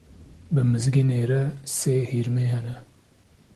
Bi Mizgînê re sê hirmî hene.